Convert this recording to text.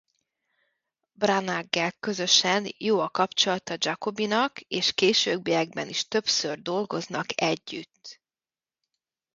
Branagh-gel különösen jó a kapcsolata Jacobi-nak és a későbbiekben is többször dolgoznak együtt.